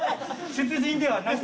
出陣ではなく。